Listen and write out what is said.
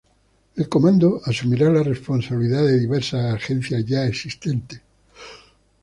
El comando asumirá la responsabilidad de diversas agencias ya existentes.